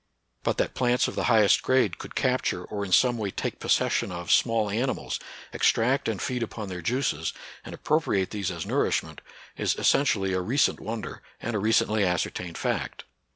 But that plants of the highest grade could capture or in some way take possession of small animals, extract and feed upon their juices, and appropriate these as nourishment, is essentially a recent wonder and a recently ascertained fact.